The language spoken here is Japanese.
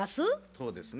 そうですね。